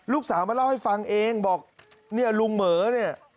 ลูกสาวมาเล่าให้ฟังเองบอกเนี่ยลุงเหม๋อเนี่ย